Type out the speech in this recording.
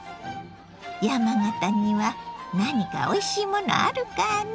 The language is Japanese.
山形には何かおいしいものあるかな？